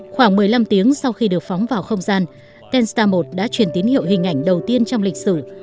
khoảng một mươi năm tiếng sau khi được phóng vào không gian tenstar một đã truyền tín hiệu hình ảnh đầu tiên trong lịch sử